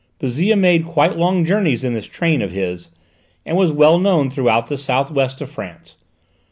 Bouzille made quite long journeys in this train of his, and was well known throughout the south west of France.